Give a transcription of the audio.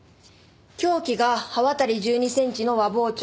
凶器が刃渡り１２センチの和包丁。